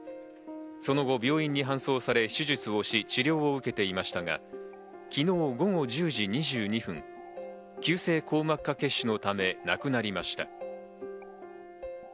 その後、病院に搬送され手術をし、治療を受けていましたが、昨日午後１０時２２分、急性硬膜下血腫のため亡くなりました。